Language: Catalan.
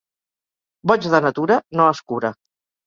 Boig de natura no es cura.